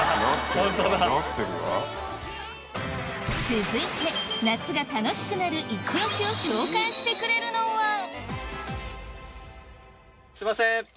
続いて夏が楽しくなるイチオシを紹介してくれるのはすいません。